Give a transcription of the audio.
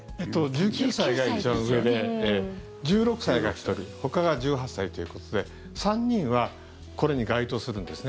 １９歳が一番上で１６歳が１人ほかが１８歳ということで３人はこれに該当するんですね。